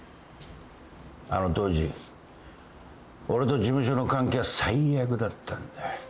あの当時俺と事務所の関係は最悪だったんだ。